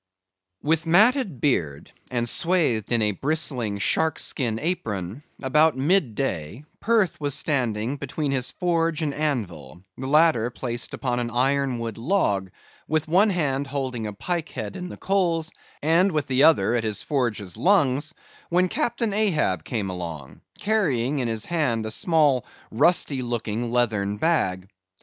With matted beard, and swathed in a bristling shark skin apron, about mid day, Perth was standing between his forge and anvil, the latter placed upon an iron wood log, with one hand holding a pike head in the coals, and with the other at his forge's lungs, when Captain Ahab came along, carrying in his hand a small rusty looking leathern bag.